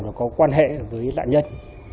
nó có quan hệ với nạn nhân